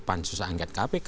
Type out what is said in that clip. pansus angket kpk